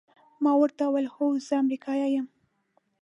ما ورته وویل: هو، زه امریکایی یم.